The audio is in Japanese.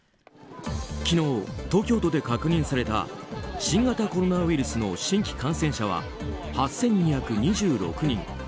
昨日、東京都で確認された新型コロナウイルスの新規感染者は８２２６人。